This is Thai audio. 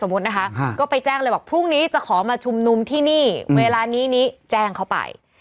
ก็จัลที่มาแจ้งแอบพรุ่งนี้จะขอมาชุมนุมเวลานี้แจ้งเขาไป